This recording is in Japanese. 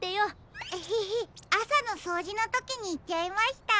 エヘヘあさのそうじのときにいっちゃいました。